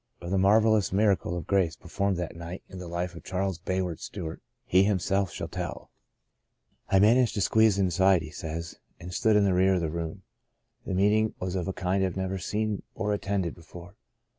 Of the marvellous miracle of grace performed that night in the life of Charles Bayard Stewart, he himself shall tell. " I managed to squeeze inside," he says, ''and stood in the rear of the room. The meeting was of a kind I had never seen or attended before.